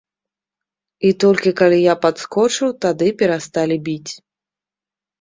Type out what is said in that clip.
І толькі калі я падскочыў, тады перасталі біць.